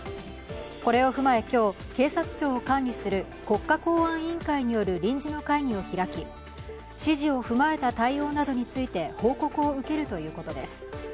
これを踏まえ、今日、警察庁を管理する国歌公安委員会による臨時の会議を開き、指示を踏まえた対応などについて報告を受けるということです。